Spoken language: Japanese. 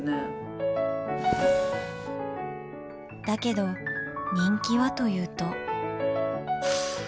だけど人気はというと。